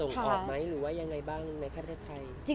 ตรงออกไหมหรือว่ายังไงบ้างในแพทยภัย